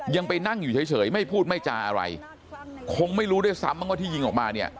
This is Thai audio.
ยังไปนั่งอยู่เฉยไม่พูดไม่จาอะไรคงไม่รู้ด้วยซ้ำบ้างว่าที่ยิงออกมาเนี่ย